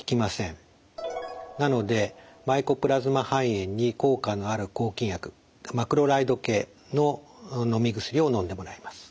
なのでマイコプラズマ肺炎に効果のある抗菌薬マクロライド系ののみ薬をのんでもらいます。